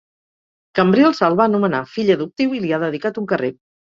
Cambrils el va nomenar fill adoptiu i li ha dedicat un carrer.